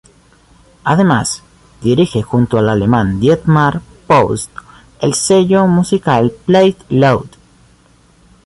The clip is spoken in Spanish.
Además, dirige junto al alemán Dietmar Post el sello musical play loud!